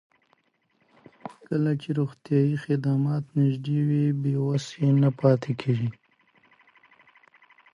کله چې روغتیايي خدمات نږدې وي، بې وسۍ نه پاتې کېږي.